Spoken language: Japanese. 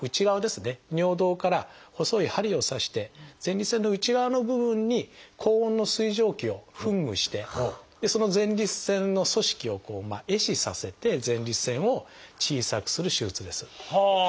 尿道から細い針を刺して前立腺の内側の部分に高温の水蒸気を噴霧してその前立腺の組織を壊死させて前立腺を小さくする手術です。